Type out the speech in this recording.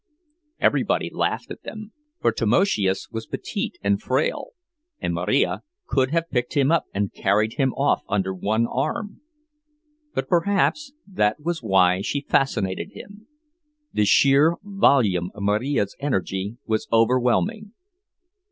Everybody laughed at them, for Tamoszius was petite and frail, and Marija could have picked him up and carried him off under one arm. But perhaps that was why she fascinated him; the sheer volume of Marija's energy was overwhelming.